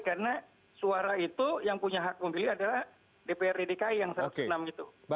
karena suara itu yang punya hak pemilih adalah dprd dki yang enam belas itu